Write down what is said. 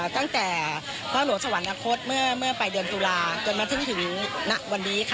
ตั้งแต่พระหลวงสวรรค์นาคตเมื่อเมื่อไปเดือนตุลาจนมาถึงถึงณวันนี้ค่ะ